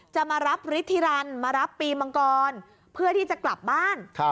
จะมารับฤทธิรันมารับปีมังกรเพื่อที่จะกลับบ้าน